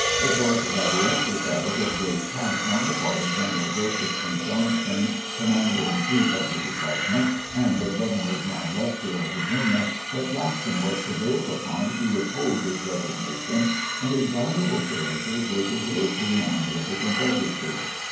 It was by the exercise of great tact on the part of General Joseph E. Johnston, Commander in Chief of the Department, and of Governor John Letcher, of Virginia, that Jackson was prevailed upon to withhold his resignation, and his valuable services were preserved to the army of the Confederacy.